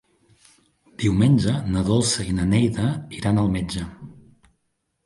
Diumenge na Dolça i na Neida iran al metge.